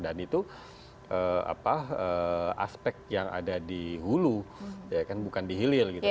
dan itu aspek yang ada di hulu bukan di hilil